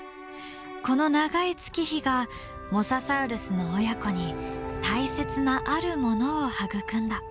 この長い月日がモササウルスの親子に大切なあるものを育んだ。